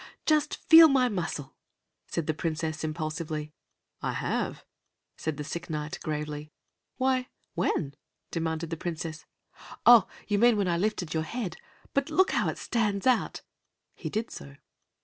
"Just feel my muscle!" said the Princess impulsively. "I have!" said the sick Knight gravely. "Why, when?" demanded the Princess. "Oh, you mean when I lifted your head. But look how it stands out." He did so.